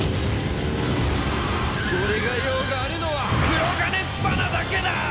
俺が用があるのは黒鋼スパナだけだ！